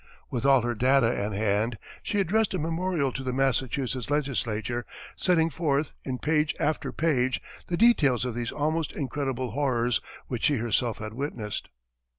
With all her data at hand, she addressed a memorial to the Massachusetts legislature, setting forth, in page after page, the details of these almost incredible horrors, which she herself had witnessed.